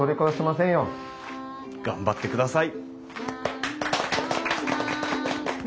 頑張ってください。